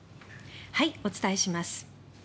お伝えします。